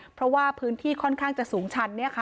เพราะว่าพื้นที่ค่อนข้างจะสูงชัน